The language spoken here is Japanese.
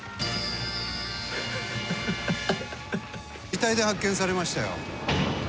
遺体で発見されましたよ。